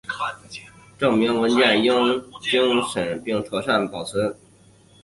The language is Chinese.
证明文件应经审查并妥善保存